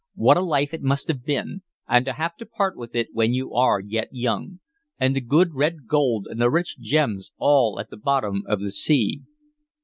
What a life it must have been! And to have to part with it when you are yet young! And the good red gold and the rich gems all at the bottom of the sea!"